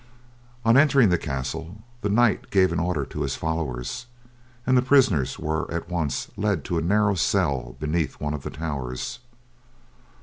On entering the castle the knight gave an order to his followers, and the prisoners were at once led to a narrow cell beneath one of the towers.